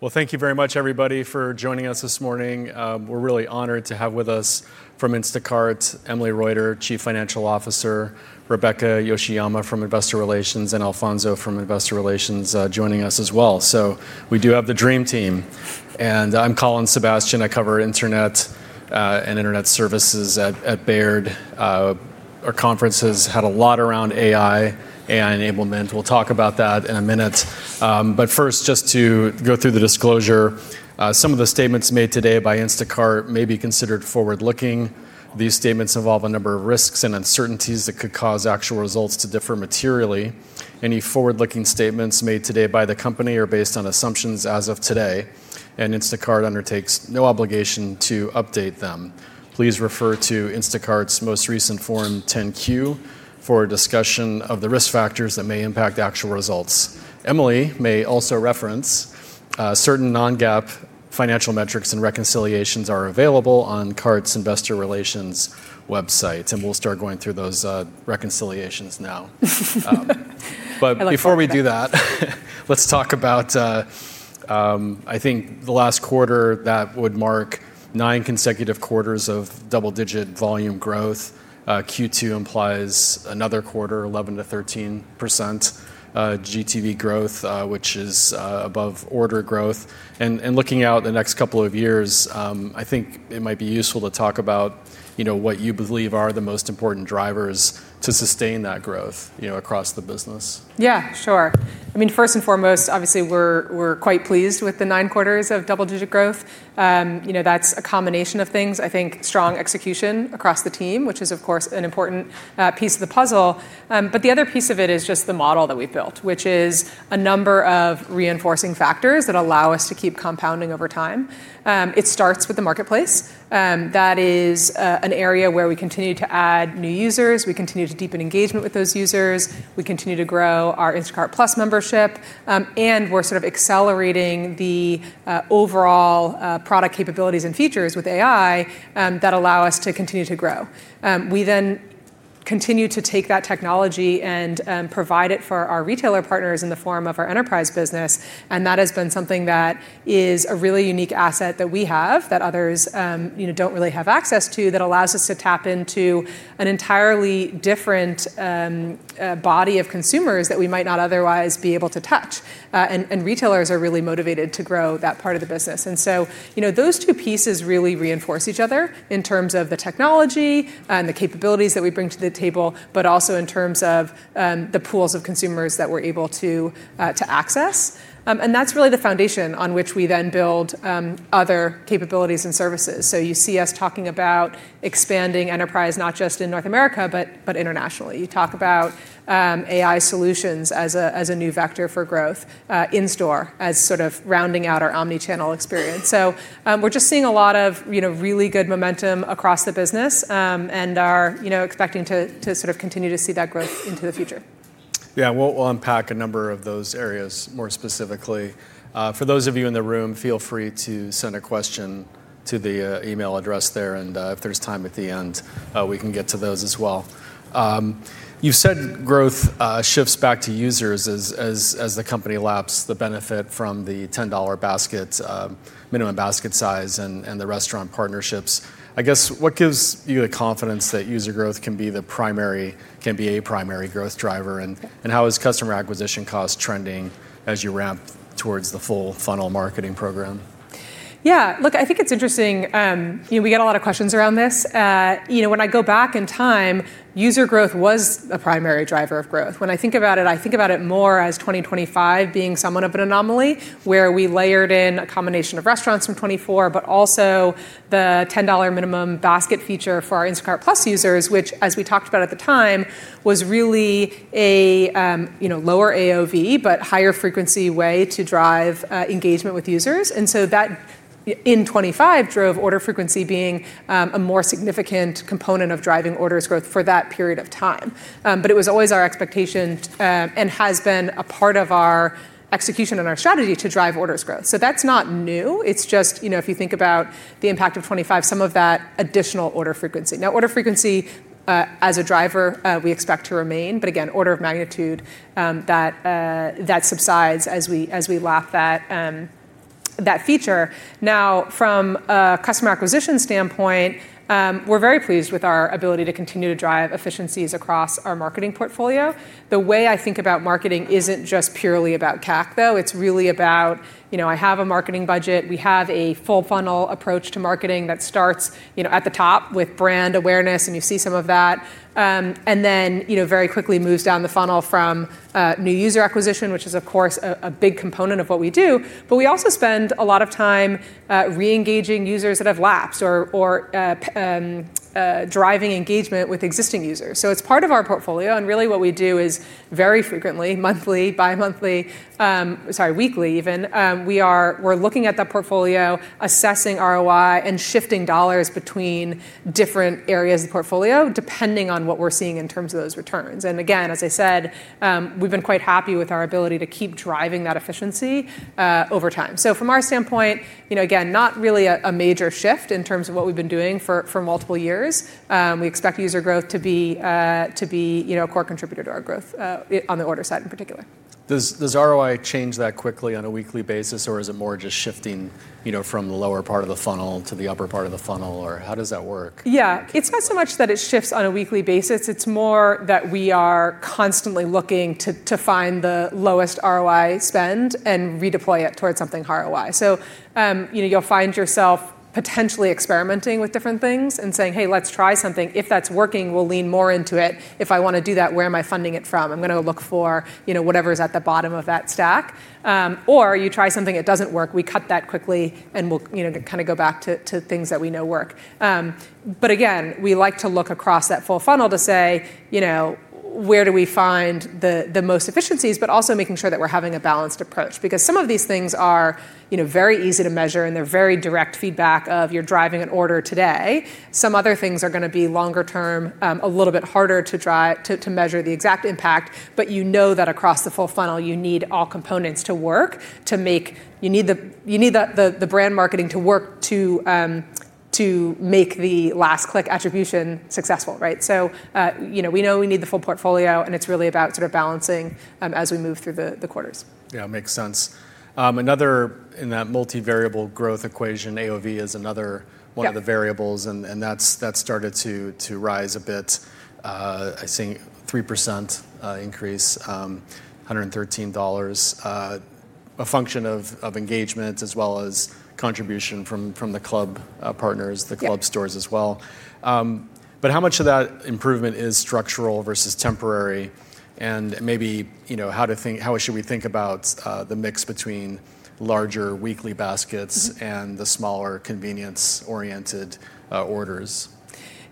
Well, thank you very much everybody for joining us this morning. We're really honored to have with us from Instacart, Emily Reuter, Chief Financial Officer, Rebecca Yoshiyama from Investor Relations, and Alfonso from Investor Relations joining us as well. We do have the dream team. I'm Colin Sebastian, I cover internet and internet services at Baird. Our conference has had a lot around AI enablement. We'll talk about that in a minute. First, just to go through the disclosure, some of the statements made today by Instacart may be considered forward-looking. These statements involve a number of risks and uncertainties that could cause actual results to differ materially. Any forward-looking statements made today by the company are based on assumptions as of today, and Instacart undertakes no obligation to update them. Please refer to Instacart's most recent Form 10-Q for a discussion of the risk factors that may impact actual results. Emily may also reference certain non-GAAP financial metrics, and reconciliations are available on Instacart's Investor Relations website. We'll start going through those reconciliations now. I like that. Before we do that, let's talk about, I think the last quarter that would mark nine consecutive quarters of double-digit volume growth. Q2 implies another quarter, 11%-13% GTV growth, which is above order growth. Looking out the next couple of years, I think it might be useful to talk about what you believe are the most important drivers to sustain that growth across the business. Yeah, sure. First and foremost, obviously we're quite pleased with the nine quarters of double-digit growth. That's a combination of things. I think strong execution across the team, which is of course, an important piece of the puzzle. The other piece of it is just the model that we've built, which is a number of reinforcing factors that allow us to keep compounding over time. It starts with the marketplace. That is an area where we continue to add new users, we continue to deepen engagement with those users, we continue to grow our Instacart+ membership, and we're sort of accelerating the overall product capabilities and features with AI that allow us to continue to grow. We continue to take that technology and provide it for our retailer partners in the form of our enterprise business. That has been something that is a really unique asset that we have that others don't really have access to, that allows us to tap into an entirely different body of consumers that we might not otherwise be able to touch. Retailers are really motivated to grow that part of the business. Those two pieces really reinforce each other in terms of the technology and the capabilities that we bring to the table, but also in terms of the pools of consumers that we're able to access. That's really the foundation on which we then build other capabilities and services. You see us talking about expanding Enterprise, not just in North America, but internationally. You talk about AI solutions as a new vector for growth in-store as sort of rounding out our omnichannel experience. We're just seeing a lot of really good momentum across the business, and are expecting to sort of continue to see that growth into the future. Yeah. We'll unpack a number of those areas more specifically. For those of you in the room, feel free to send a question to the email address there, and if there's time at the end, we can get to those as well. You said growth shifts back to users as the company laps the benefit from the $10 minimum basket size, and the restaurant partnerships. I guess, what gives you the confidence that user growth can be a primary growth driver? How is customer acquisition costs trending as you ramp towards the full funnel marketing program? Look, I think it's interesting. We get a lot of questions around this. When I go back in time, user growth was the primary driver of growth. When I think about it, I think about it more as 2025 being somewhat of an anomaly, where we layered in a combination of restaurants from 2024, but also the $10 minimum basket feature for our Instacart+ users, which, as we talked about at the time, was really a lower AOV, but higher frequency way to drive engagement with users. That in 2025 drove order frequency being a more significant component of driving orders growth for that period of time. It was always our expectation, and has been a part of our execution and our strategy to drive orders growth. That's not new. It's just if you think about the impact of 2025, some of that additional order frequency. Order frequency, as a driver, we expect to remain, but again, order of magnitude, that subsides as we lap that feature. From a customer acquisition standpoint, we're very pleased with our ability to continue to drive efficiencies across our marketing portfolio. The way I think about marketing isn't just purely about CAC though, it's really about, I have a marketing budget, we have a full funnel approach to marketing that starts at the top with brand awareness, and you see some of that. Very quickly moves down the funnel from new user acquisition, which is of course, a big component of what we do, but we also spend a lot of time reengaging users that have lapsed or driving engagement with existing users. It's part of our portfolio, and really what we do is very frequently, monthly, weekly even, we're looking at that portfolio, assessing ROI, and shifting dollars between different areas of the portfolio, depending on what we're seeing in terms of those returns. Again, as I said, we've been quite happy with our ability to keep driving that efficiency over time. From our standpoint, again, not really a major shift in terms of what we've been doing for multiple years. We expect user growth to be a core contributor to our growth on the order side in particular. Does ROI change that quickly on a weekly basis, or is it more just shifting from the lower part of the funnel to the upper part of the funnel, or how does that work? Yeah. It's not so much that it shifts on a weekly basis. It's more that we are constantly looking to find the lowest ROI spend and redeploy it towards something high ROI. You'll find yourself potentially experimenting with different things and saying, "Hey, let's try something. If that's working, we'll lean more into it. If I want to do that, where am I funding it from? I'm going to look for whatever is at the bottom of that stack." You try something that doesn't work, we cut that quickly, and we'll go back to things that we know work. Again, we like to look across that full funnel to say, "Where do we find the most efficiencies?" Also making sure that we're having a balanced approach, because some of these things are very easy to measure, and they're very direct feedback of you're driving an order today. Some other things are going to be longer term, a little bit harder to measure the exact impact, but you know that across the full funnel, you need all components to work. You need the brand marketing to work to make the last click attribution successful, right. We know we need the full portfolio, and it's really about sort of balancing as we move through the quarters. Yeah, makes sense. Another in that multi-variable growth equation, AOV is another one- Yeah of the variables, and that's started to rise a bit. I see a 3% increase, $113. A function of engagement, as well as contribution from the club partners, Yeah the club stores as well. How much of that improvement is structural versus temporary? Maybe, how should we think about the mix between larger weekly baskets and the smaller convenience-oriented orders?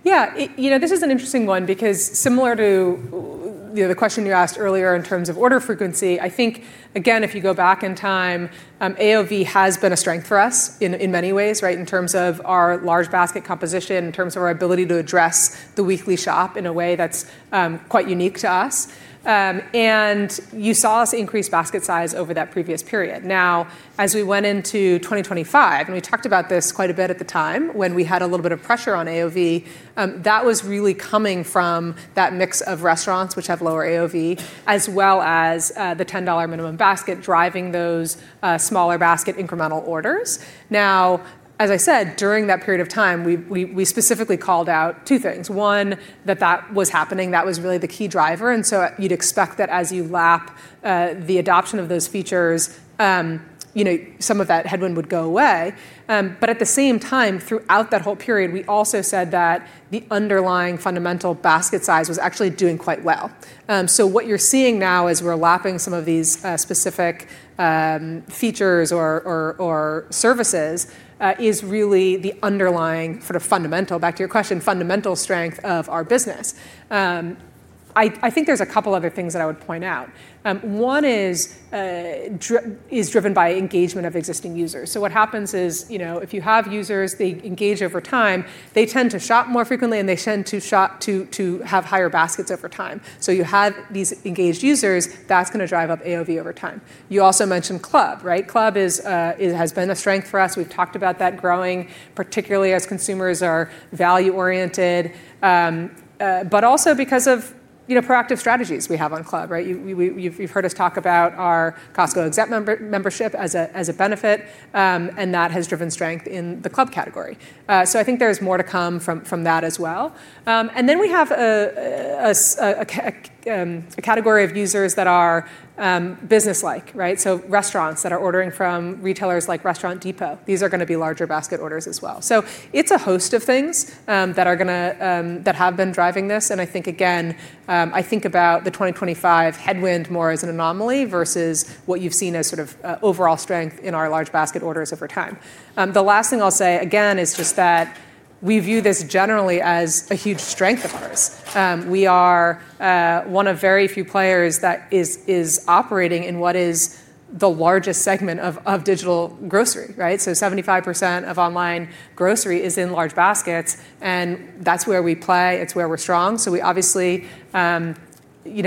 Yeah. This is an interesting one because similar to the question you asked earlier in terms of order frequency, I think, again, if you go back in time, AOV has been a strength for us in many ways, right? In terms of our large basket composition, in terms of our ability to address the weekly shop in a way that's quite unique to us. You saw us increase basket size over that previous period. Now, as we went into 2025, and we talked about this quite a bit at the time when we had a little bit of pressure on AOV, that was really coming from that mix of restaurants which have lower AOV, as well as the $10 minimum basket driving those smaller basket incremental orders. Now, as I said, during that period of time, we specifically called out two things. One, that was happening, that was really the key driver, you would expect that as you lap the adoption of those features, some of that headwind would go away. At the same time, throughout that whole period, we also said that the underlying fundamental basket size was actually doing quite well. What you are seeing now is we are lapping some of these specific features or services, is really the underlying fundamental, back to your question, fundamental strength of our business. I think there is a couple other things that I would point out. One is driven by engagement of existing users. What happens is, if you have users, they engage over time, they tend to shop more frequently, and they tend to have higher baskets over time. You have these engaged users, that is going to drive up AOV over time. You also mentioned Club, right? Club has been a strength for us. We've talked about that growing, particularly as consumers are value-oriented. Also because of proactive strategies we have on Club, right? You've heard us talk about our Costco Executive Membership as a benefit. That has driven strength in the Club category. I think there's more to come from that as well. Then we have a category of users that are business-like, right? Restaurants that are ordering from retailers like Restaurant Depot, these are going to be larger basket orders as well. It's a host of things that have been driving this, and I think, again, I think about the 2025 headwind more as an anomaly versus what you've seen as sort of overall strength in our large basket orders over time. The last thing I'll say, again, is just that we view this generally as a huge strength of ours. We are one of very few players that is operating in what is the largest segment of digital grocery, right? 75% of online grocery is in large baskets, and that's where we play, it's where we're strong. We obviously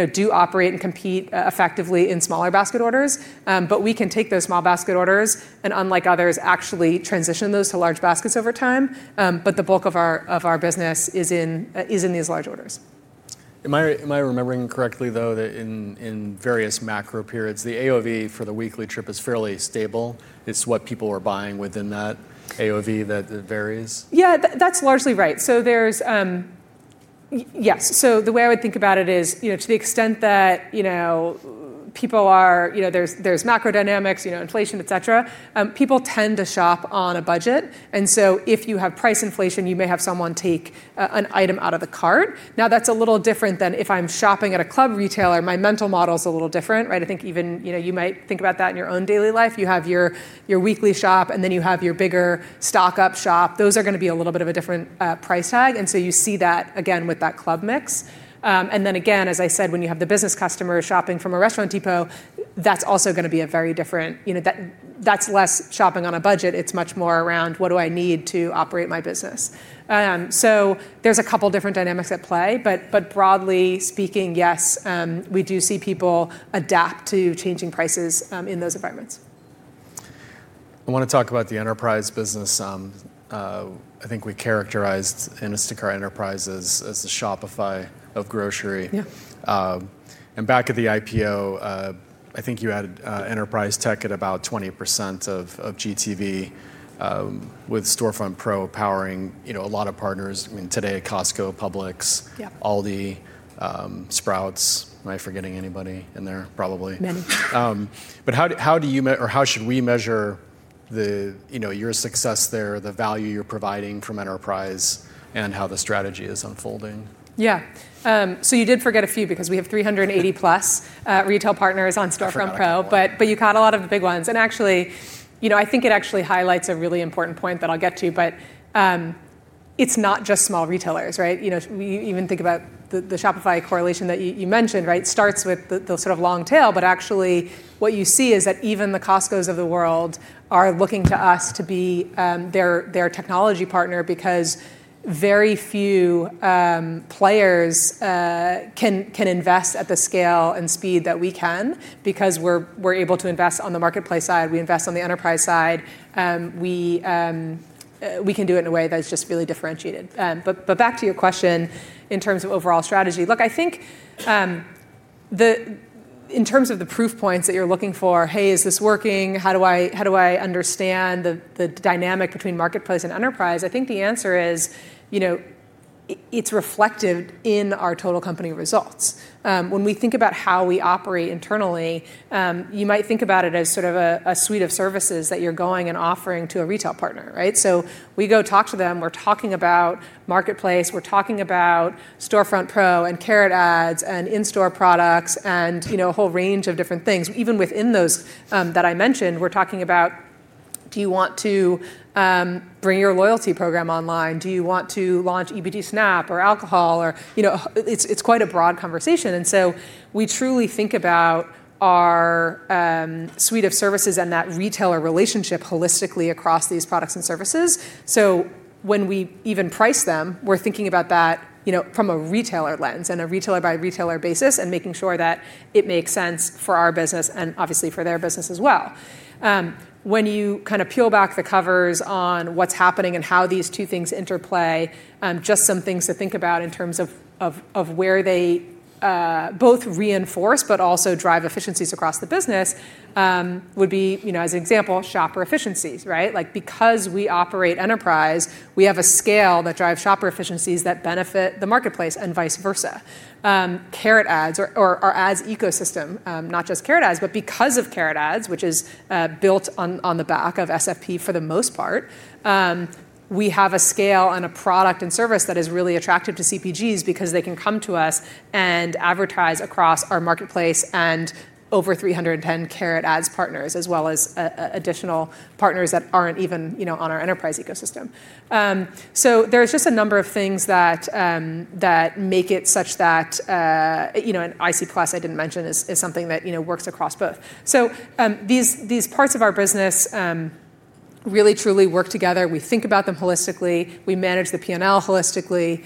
do operate and compete effectively in smaller basket orders. We can take those small basket orders and, unlike others, actually transition those to large baskets over time. The bulk of our business is in these large orders. Am I remembering correctly, though, that in various macro periods, the AOV for the weekly trip is fairly stable? It's what people are buying within that AOV that varies? Yeah, that's largely right. The way I would think about it is to the extent that there's macro dynamics, inflation, et cetera. People tend to shop on a budget, if you have price inflation, you may have someone take an item out of the cart. Now, that's a little different than if I'm shopping at a club retailer, my mental model is a little different, right? I think even you might think about that in your own daily life. You have your weekly shop, you have your bigger stock up shop. Those are going to be a little bit of a different price tag. You see that again with that club mix. Again, as I said, when you have the business customer shopping from a Restaurant Depot, that's also going to be very different. That's less shopping on a budget. It's much more around, what do I need to operate my business? There's a couple different dynamics at play. Broadly speaking, yes, we do see people adapt to changing prices in those environments. I want to talk about the enterprise business. I think we characterized Instacart Enterprise as the Shopify of grocery. Yeah. Back at the IPO, I think you had Enterprise Tech at about 20% of GTV, with Storefront Pro powering a lot of partners. I mean, today, Costco, Publix. Yep ALDI, Sprouts. Am I forgetting anybody in there? Probably. Many. How should we measure your success there, the value you're providing from Enterprise, and how the strategy is unfolding? Yeah. You did forget a few, because we have 380+ retail partners on Storefront Pro. You caught a lot of the big ones. Actually, I think it actually highlights a really important point that I'll get to, but it's not just small retailers, right? You even think about the Shopify correlation that you mentioned, right? Starts with the sort of long tail, but actually what you see is that even the Costcos of the world are looking to us to be their technology partner, because very few players can invest at the scale and speed that we can, because we're able to invest on the marketplace side, we invest on the enterprise side. We can do it in a way that is just really differentiated. Back to your question, in terms of overall strategy. Look, I think in terms of the proof points that you're looking for, hey, is this working? How do I understand the dynamic between marketplace and enterprise? I think the answer is, it's reflected in our total company results. When we think about how we operate internally, you might think about it as sort of a suite of services that you're going and offering to a retail partner, right? We go talk to them, we're talking about Marketplace, we're talking about Storefront Pro, and Carrot Ads, and in-store products, and a whole range of different things. Even within those that I mentioned, we're talking about, do you want to bring your loyalty program online? Do you want to launch EBT SNAP or alcohol? It's quite a broad conversation. We truly think about our suite of services and that retailer relationship holistically across these products and services. When we even price them, we're thinking about that from a retailer lens and a retailer-by-retailer basis, and making sure that it makes sense for our business, and obviously for their business as well. When you kind of peel back the covers on what's happening and how these two things interplay, just some things to think about in terms of where they both reinforce but also drive efficiencies across the business, would be, as an example, shopper efficiencies, right? We operate Enterprise, we have a scale that drives shopper efficiencies that benefit the Marketplace, and vice versa. Carrot Ads, or our ads ecosystem, not just Carrot Ads, but because of Carrot Ads, which is built on the back of SFP for the most part, we have a scale and a product and service that is really attractive to CPGs because they can come to us and advertise across our marketplace and over 310 Carrot Ads partners, as well as additional partners that aren't even on our enterprise ecosystem. IC+ I didn't mention, is something that works across both. These parts of our business really truly work together. We think about them holistically. We manage the P&L holistically.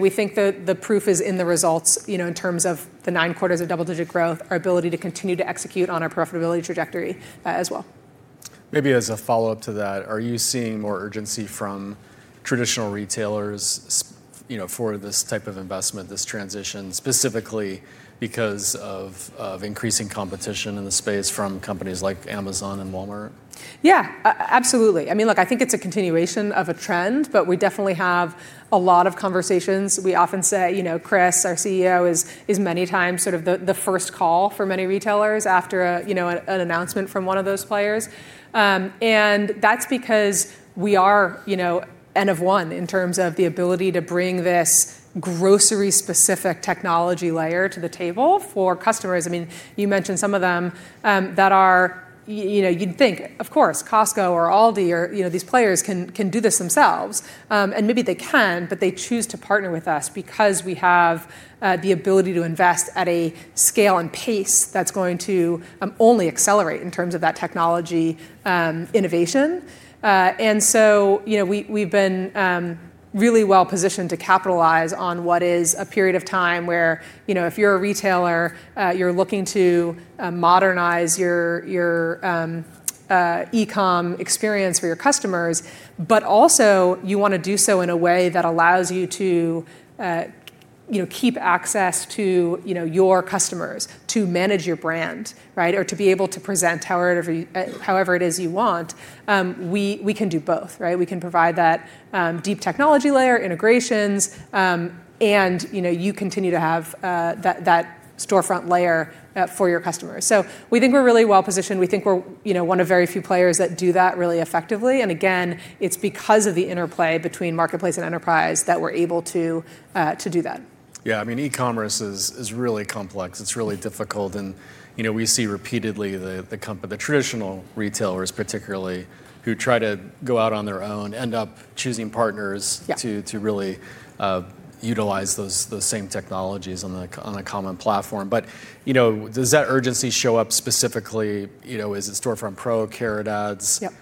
We think that the proof is in the results, in terms of the nine quarters of double-digit growth, our ability to continue to execute on our profitability trajectory as well. Maybe as a follow-up to that, are you seeing more urgency from traditional retailers for this type of investment, this transition, specifically because of increasing competition in the space from companies like Amazon and Walmart? Yeah, absolutely. I mean, look, I think it's a continuation of a trend, but we definitely have a lot of conversations. We often say Chris, our CEO, is many times sort of the first call for many retailers after an announcement from one of those players. That's because we are N of one in terms of the ability to bring this grocery-specific technology layer to the table for customers. You mentioned some of them that you'd think, of course, Costco or ALDI or these players can do this themselves. Maybe they can, but they choose to partner with us because we have the ability to invest at a scale and pace that's going to only accelerate in terms of that technology innovation. We've been really well-positioned to capitalize on what is a period of time where if you're a retailer, you're looking to modernize your e-com experience for your customers, also, you want to do so in a way that allows you to keep access to your customers to manage your brand, right? To be able to present however it is you want. We can do both, right? We can provide that deep technology layer, integrations, and you continue to have that Storefront layer for your customers. We think we're really well-positioned. We think we're one of very few players that do that really effectively, and again, it's because of the interplay between Marketplace and Enterprise that we're able to do that. I mean, e-commerce is really complex. It's really difficult and we see repeatedly the traditional retailers particularly, who try to go out on their own, end up choosing partners Yeah to really utilize those same technologies on a common platform. Does that urgency show up specifically, is it Storefront Pro, Carrot Ads? Yep.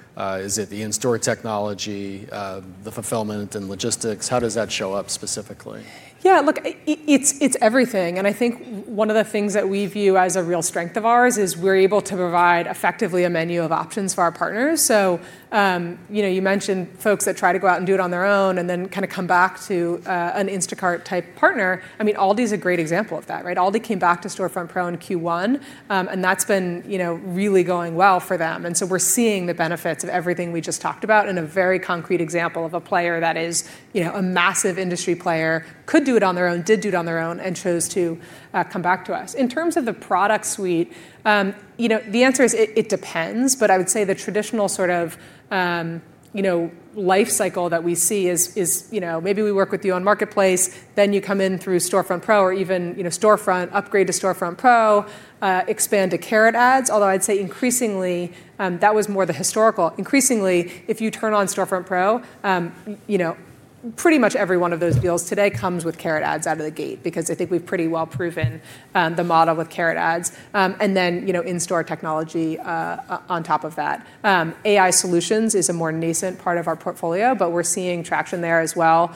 Is it the in-store technology, the fulfillment and logistics? How does that show up specifically? Yeah, look, it's everything. I think one of the things that we view as a real strength of ours is we're able to provide effectively a menu of options for our partners. You mentioned folks that try to go out and do it on their own and then kind of come back to an Instacart-type partner. ALDI's a great example of that, right? ALDI came back to Storefront Pro in Q1. That's been really going well for them. We're seeing the benefits of everything we just talked about in a very concrete example of a player that is a massive industry player, could do it on their own, did do it on their own, and chose to come back to us. In terms of the product suite, the answer is it depends, but I would say the traditional sort of life cycle that we see is maybe we work with you on Marketplace, then you come in through Storefront Pro, or even Storefront, upgrade to Storefront Pro, expand to Carrot Ads. I'd say increasingly, that was more the historical. Increasingly, if you turn on Storefront Pro. Pretty much every one of those deals today comes with Carrot Ads out of the gate, because I think we've pretty well proven the model with Carrot Ads. In-store technology on top of that. AI solutions is a more nascent part of our portfolio, we're seeing traction there as well.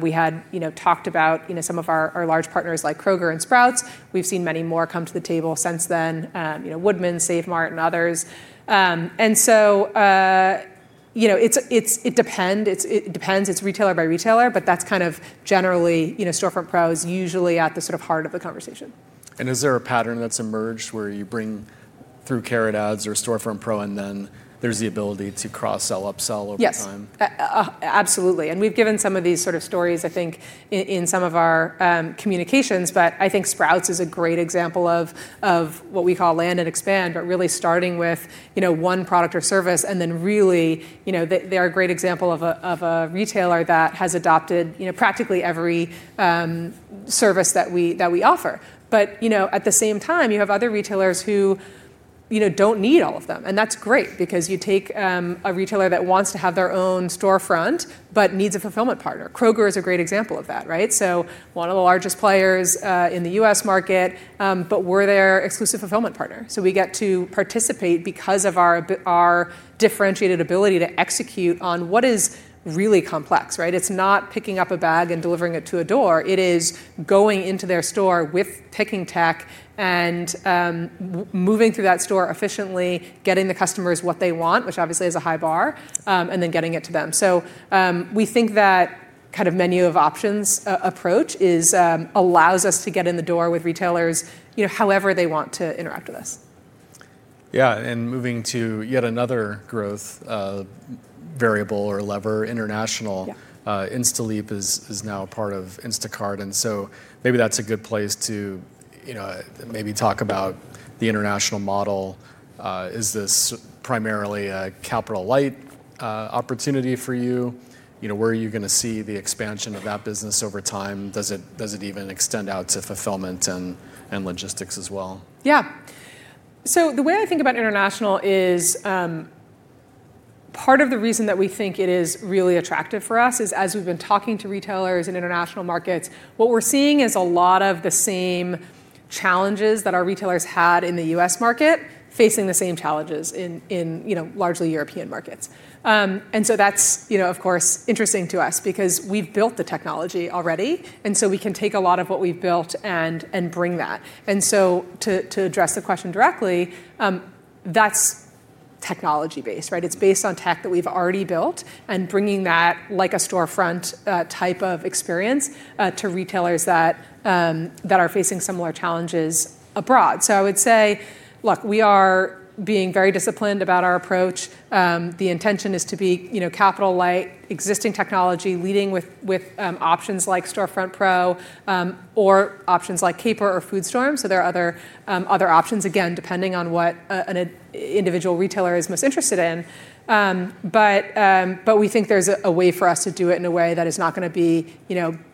We had talked about some of our large partners like Kroger and Sprouts. We've seen many more come to the table since then, Woodman, Save Mart, and others. It depends. It's retailer by retailer, that's kind of generally, Storefront Pro is usually at the sort of heart of the conversation. Is there a pattern that's emerged where you bring through Carrot Ads or Storefront Pro, and then there's the ability to cross-sell, upsell over time? Yes. Absolutely. We've given some of these stories, I think, in some of our communications, but I think Sprouts is a great example of what we call land and expand, but really starting with one product or service, and then really, they're a great example of a retailer that has adopted practically every service that we offer. At the same time, you have other retailers who don't need all of them. That's great because you take a retailer that wants to have their own Storefront but needs a fulfillment partner. Kroger is a great example of that, right? One of the largest players in the U.S. market, we're their exclusive fulfillment partner. We get to participate because of our differentiated ability to execute on what is really complex, right? It's not picking up a bag and delivering it to a door. It is going into their store with picking tech and moving through that store efficiently, getting the customers what they want, which obviously is a high bar, and then getting it to them. We think that kind of menu of options approach allows us to get in the door with retailers, however they want to interact with us. Yeah. Moving to yet another growth variable or lever, international. Yeah. Instaleap is now a part of Instacart. Maybe that's a good place to maybe talk about the international model. Is this primarily a capital light opportunity for you? Where are you going to see the expansion of that business over time? Does it even extend out to fulfillment and logistics as well? The way I think about international is, part of the reason that we think it is really attractive for us is, as we've been talking to retailers in international markets, what we're seeing is a lot of the same challenges that our retailers had in the U.S. market, facing the same challenges in largely European markets. That's, of course, interesting to us because we've built the technology already, we can take a lot of what we've built and bring that. To address the question directly, that's technology-based, right? It's based on tech that we've already built and bringing that, like a Storefront type of experience, to retailers that are facing similar challenges abroad. I would say, look, we are being very disciplined about our approach. The intention is to be capital light, existing technology, leading with options like Storefront Pro, or options like Caper or FoodStorm. There are other options, again, depending on what an individual retailer is most interested in. We think there's a way for us to do it in a way that is not going to be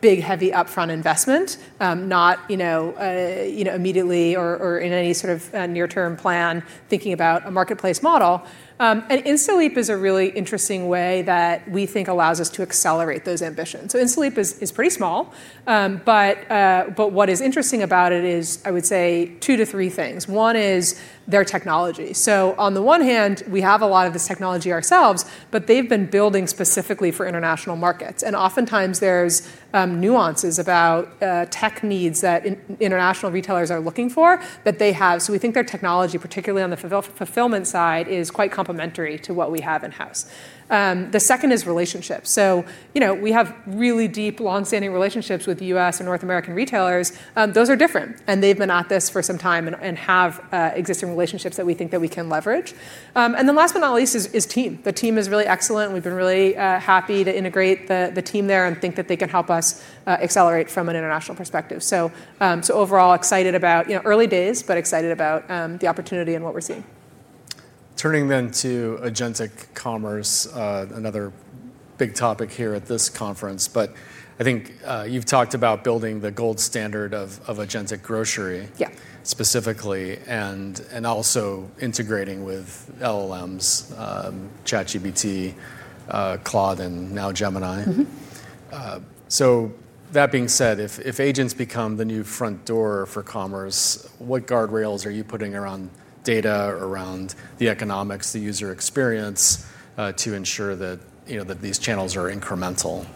big, heavy upfront investment, not immediately or in any sort of near-term plan, thinking about a marketplace model. Instaleap is a really interesting way that we think allows us to accelerate those ambitions. Instaleap is pretty small. What is interesting about it is, I would say, two to three things. One is their technology. On the one hand, we have a lot of this technology ourselves, but they've been building specifically for international markets. Oftentimes there's nuances about tech needs that international retailers are looking for that they have. We think their technology, particularly on the fulfillment side, is quite complementary to what we have in-house. The second is relationships. We have really deep, long-standing relationships with U.S. and North American retailers. Those are different, and they've been at this for some time and have existing relationships that we think that we can leverage. Last but not least is team. The team is really excellent. We've been really happy to integrate the team there and think that they can help us accelerate from an international perspective. Overall excited about early days, but excited about the opportunity and what we're seeing. Turning to agentic commerce, another big topic here at this conference. I think you've talked about building the gold standard of agentic grocery Yeah specifically, and also integrating with LLMs, ChatGPT, Claude, and now Gemini. That being said, if agents become the new front door for commerce, what guardrails are you putting around data, around the economics, the user experience, to ensure that these channels are incremental?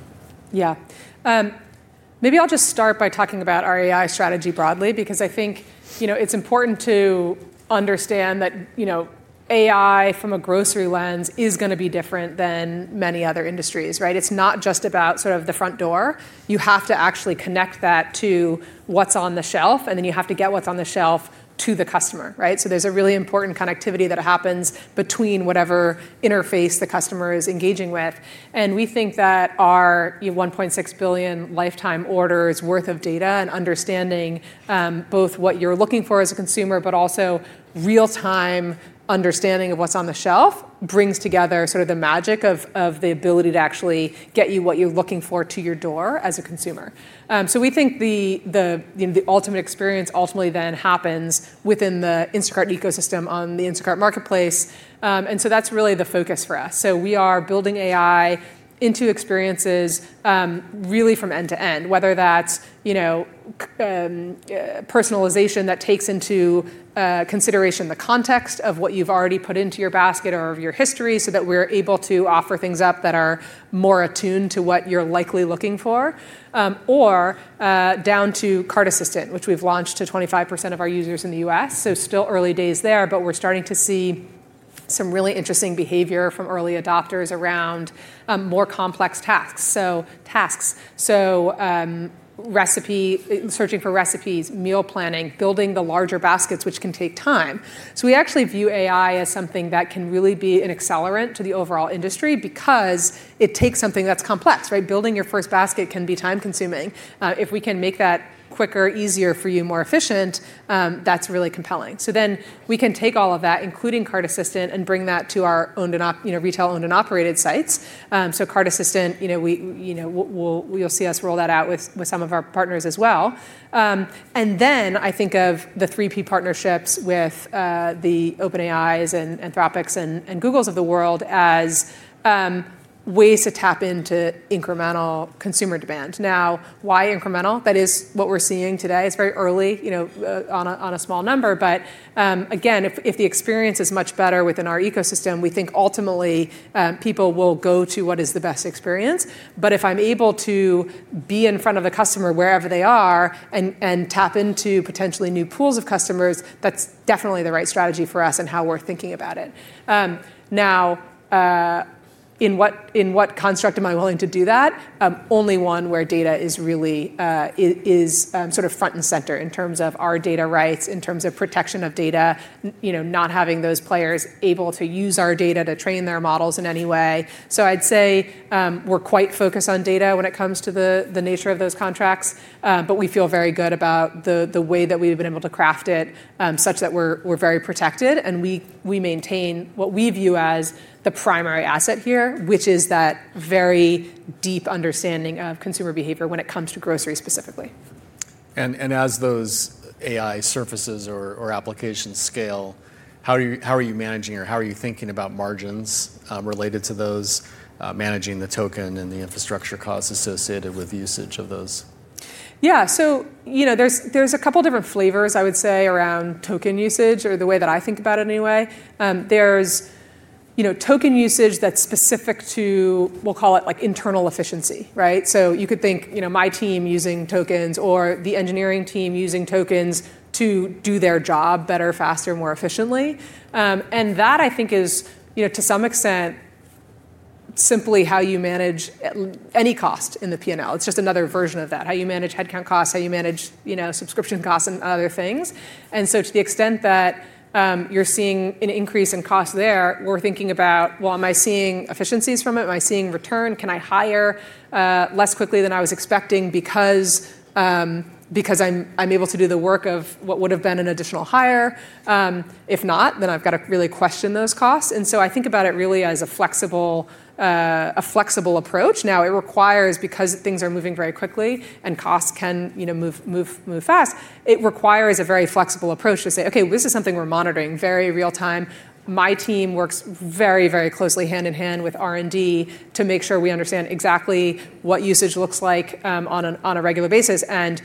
Maybe I'll just start by talking about our AI strategy broadly, because I think it's important to understand that AI from a grocery lens is going to be different than many other industries, right? It's not just about sort of the front door. You have to actually connect that to what's on the shelf, and then you have to get what's on the shelf to the customer, right? There's a really important connectivity that happens between whatever interface the customer is engaging with. We think that our 1.6 billion lifetime orders worth of data and understanding, both what you're looking for as a consumer, but also real time understanding of what's on the shelf, brings together sort of the magic of the ability to actually get you what you're looking for to your door as a consumer. We think the ultimate experience ultimately happens within the Instacart ecosystem on the Instacart Marketplace. That's really the focus for us. We are building AI into experiences, really from end to end, whether that's personalization that takes into consideration the context of what you've already put into your basket or of your history, so that we're able to offer things up that are more attuned to what you're likely looking for. Down to Cart Assistant, which we've launched to 25% of our users in the U.S., still early days there, but we're starting to see some really interesting behavior from early adopters around more complex tasks. Searching for recipes, meal planning, building the larger baskets, which can take time. We actually view AI as something that can really be an accelerant to the overall industry because it takes something that's complex, right? Building your first basket can be time-consuming. If we can make that quicker, easier for you, more efficient, that's really compelling. We can take all of that, including Cart Assistant, and bring that to our retail owned and operated sites. Cart Assistant, you'll see us roll that out with some of our partners as well. I think of the 3P partnerships with the OpenAI's and Anthropic's and Google's of the world as ways to tap into incremental consumer demand. Why incremental? That is what we're seeing today. It's very early on a small number, but, again, if the experience is much better within our ecosystem, we think ultimately people will go to what is the best experience. If I'm able to be in front of a customer wherever they are and tap into potentially new pools of customers, that's definitely the right strategy for us and how we're thinking about it. In what construct am I willing to do that? Only one where data is sort of front and center in terms of our data rights, in terms of protection of data, not having those players able to use our data to train their models in any way. I'd say we're quite focused on data when it comes to the nature of those contracts. We feel very good about the way that we've been able to craft it such that we're very protected, and we maintain what we view as the primary asset here, which is that very deep understanding of consumer behavior when it comes to grocery specifically. As those AI surfaces or applications scale, how are you managing, or how are you thinking about margins related to those managing the token and the infrastructure costs associated with usage of those? Yeah. There's a couple different flavors, I would say, around token usage, or the way that I think about it anyway. There's token usage that's specific to, we'll call it internal efficiency, right? You could think my team using tokens or the engineering team using tokens to do their job better, faster, more efficiently. That, I think is, to some extent, simply how you manage any cost in the P&L. It's just another version of that, how you manage headcount costs, how you manage subscription costs and other things. To the extent that you're seeing an increase in cost there, we're thinking about, well, am I seeing efficiencies from it? Am I seeing return? Can I hire less quickly than I was expecting because I'm able to do the work of what would've been an additional hire? If not, then I've got to really question those costs. I think about it really as a flexible approach. It requires, because things are moving very quickly and costs can move fast, it requires a very flexible approach to say, "Okay, this is something we're monitoring very real-time." My team works very closely hand-in-hand with R&D to make sure we understand exactly what usage looks like on a regular basis, and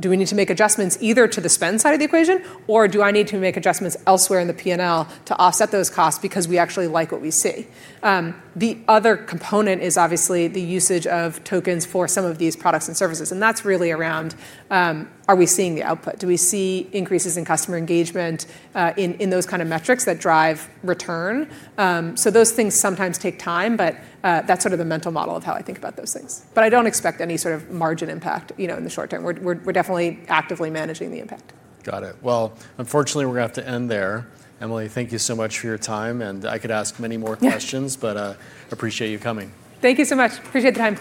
do we need to make adjustments either to the spend side of the equation, or do I need to make adjustments elsewhere in the P&L to offset those costs because we actually like what we see? The other component is obviously the usage of tokens for some of these products and services, and that's really around, are we seeing the output? Do we see increases in customer engagement in those kind of metrics that drive return? Those things sometimes take time, but that's sort of the mental model of how I think about those things. I don't expect any sort of margin impact in the short term. We're definitely actively managing the impact. Got it. Well, unfortunately, we're going to have to end there. Emily, thank you so much for your time. I could ask many more questions. Yeah. Appreciate you coming. Thank you so much. Appreciate the time.